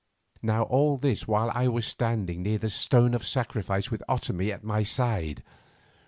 Now all this while I was standing near the stone of sacrifice with Otomie at my side.